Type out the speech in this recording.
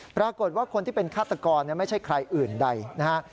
ปรากฏว่าคนที่เป็นฆาตกรไม่ใช่ใครอื่นใดนะฮะ